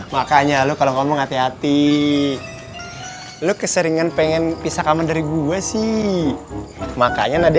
makanya lu kalau ngomong hati hati lu keseringan pengen pisah kaman dari gua sih makanya nadia